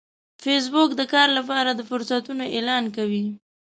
فېسبوک د کار لپاره د فرصتونو اعلان کوي